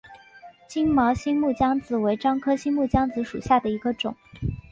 金毛新木姜子为樟科新木姜子属下的一个种。